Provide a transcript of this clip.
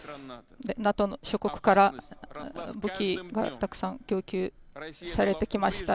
ＮＡＴＯ諸国から武器がたくさん供給されてきました。